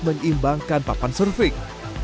menyeimbangkan papan surfing